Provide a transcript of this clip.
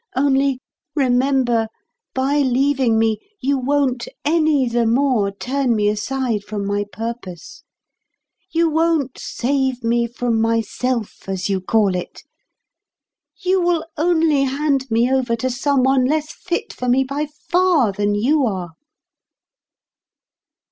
Only, remember, by leaving me, you won't any the more turn me aside from my purpose. You won't save me from myself, as you call it; you will only hand me over to some one less fit for me by far than you are."